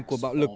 của bạo lực